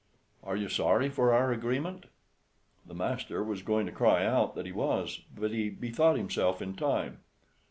Are you sorry for our agreement?" The master was going to cry out he was, but he bethought himself in time.